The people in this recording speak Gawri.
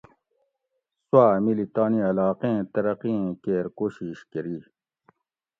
سوآۤ ملی تانی علاقیں ترقی ایں کیر کوشش کۤری